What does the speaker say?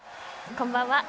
こんばんは。